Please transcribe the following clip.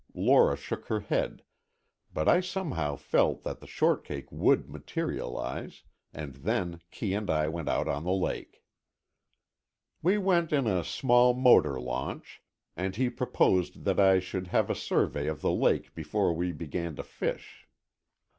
Lora shook her head, but I somehow felt that the shortcake would materialize, and then Kee and I went out on the lake. We went in a small motor launch, and he proposed that I should have a survey of the lake before we began to fish.